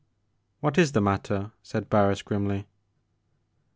" What is the matter ?" said Barris grimly.